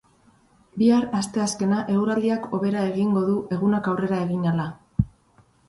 Bihar, asteazkena, eguraldiak hobera egingo du egunak aurrera egin ahala.